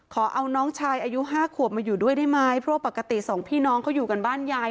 ขอเอาน้องชายอายุห้าขวบมาอยู่ด้วยได้ไหมเพราะปกติสองพี่น้องเขาอยู่กันบ้านยาย